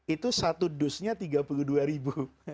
itu satu dusnya tiga puluh dua ribu